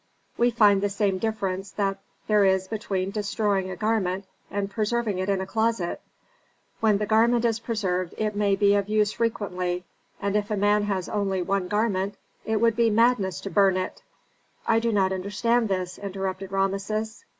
We find the same difference that there is between destroying a garment and preserving it in a closet. When the garment is preserved it may be of use frequently; and if a man has only one garment it would be madness to burn it." "I do not understand this," interrupted Rameses.